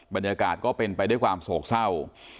บรรยากาศก็เป็นไปด้วยความโศกเศร้า